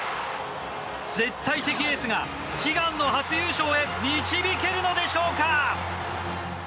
絶対的エースが悲願の初優勝へ導けるのでしょうか。